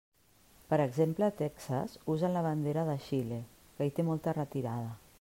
Per exemple, a Texas usen la bandera de Xile, que hi té molta retirada.